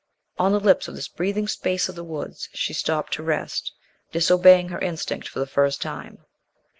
On the lips of this breathing space of the woods she stopped to rest, disobeying her instinct for the first time.